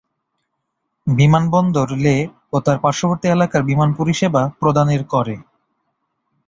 বিমানবন্দর লে ও তার পার্শবর্তী এলাকার বিমান পরিসেবা প্রদানের করে।